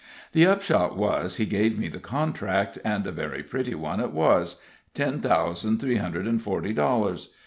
The upshot was, he gave me the contract, and a very pretty one it was: ten thousand three hundred and forty dollars.